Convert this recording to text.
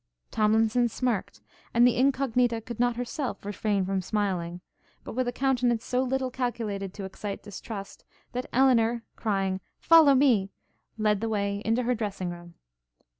Tomlinson smirked, and the Incognita could not herself refrain from smiling, but with a countenance so little calculated to excite distrust, that Elinor, crying, 'Follow me,' led the way into her dressing room.